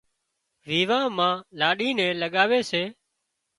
ويوان مان لاڏِي نين لڳاوي سي